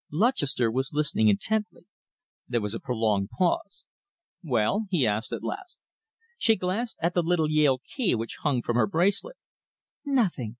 '" Lutchester was listening intently. There was a prolonged pause. "Well?" he asked, at last. She glanced at the little Yale key which hung from her bracelet. "Nothing!